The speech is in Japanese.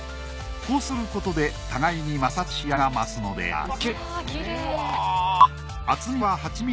こうすることで互いに摩擦し合いより光沢が増すのである。